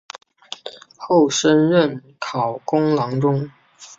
后升任考功郎中。